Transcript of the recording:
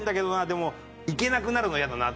でも行けなくなるのが嫌だな。